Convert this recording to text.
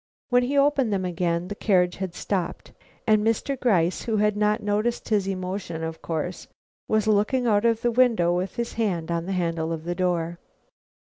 When he opened them again, the carriage had stopped, and Mr. Gryce, who had not noticed his emotion, of course, was looking out of the window with his hand on the handle of the door.